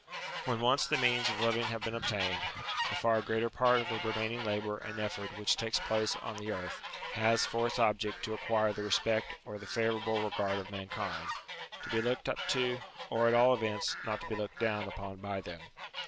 When once the means of living have been obtained, the far greater part of the remaining labour and effort which takes place on the earth, has for its object to acquire the respect or the favourable regard of mankind; to be looked up to, or at all events, not to be looked down upon by them.